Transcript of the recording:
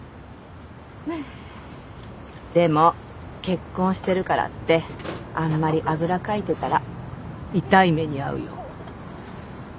でも結婚してるからってあんまりあぐらかいてたら痛い目に遭うよ。